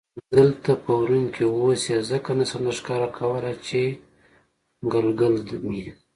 دلته په ورون کې، اوس یې ځکه نه شم درښکاره کولای چې ګلګل مې.